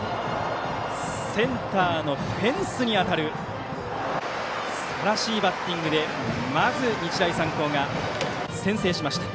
センターのフェンスに当たるすばらしいバッティングでまず日大三高が先制しました。